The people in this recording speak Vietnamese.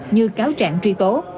như cáo trạng truy tố